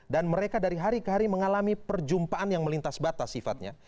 dan mereka dari hari ke hari mengalami perjumpaan yang melintas batas sifatnya